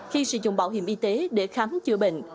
khi sử dụng bảo hiểm y tế để khám chữa bệnh